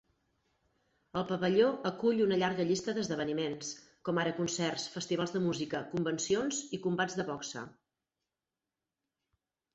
El pavelló acull una llarga llista d'esdeveniments, com ara concerts, festivals de música, convencions i combats de boxa.